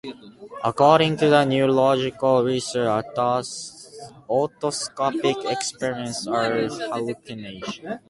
According to neurological research, autoscopic experiences are hallucinations.